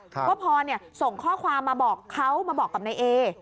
เพราะพรส่งข้อความมาบอกเขากับนายเอ